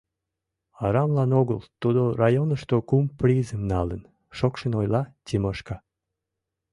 Арамлан огыл тудо районышто кум призым налын! — шокшын ойла Тимошка.